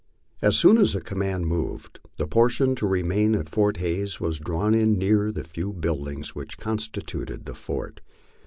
As soon as the command moved, the portion to remain at Fort Hays was drawn in near the few buildings which constituted the fort.